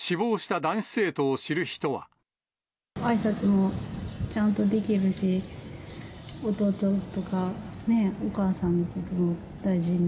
あいさつもちゃんとできるし、弟とか、お母さんのことも大事に。